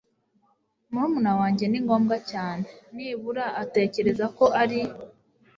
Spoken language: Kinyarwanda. Murumuna wanjye ni ngombwa cyane. Nibura atekereza ko ari.